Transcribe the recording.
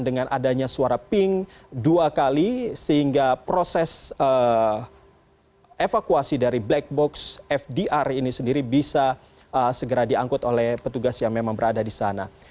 dengan adanya suara pink dua kali sehingga proses evakuasi dari black box fdr ini sendiri bisa segera diangkut oleh petugas yang memang berada di sana